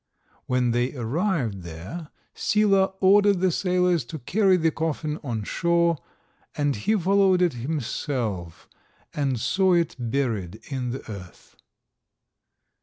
When they arrived there, Sila ordered the sailors to carry the coffin on shore, and he followed it himself and saw it buried in the earth.